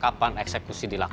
katanya itu sungguh mula imek